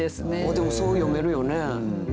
でもそう読めるよね。